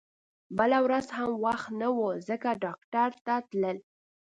بله ورځ هم وخت نه و ځکه ډاکټر ته تلل